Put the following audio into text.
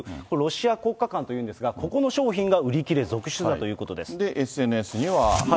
これ、ロシア国家館というんですが、ここの商品が売り切れ続出だというＳＮＳには。